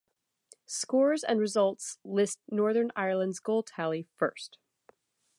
Scores and results list Northern Ireland's goal tally first.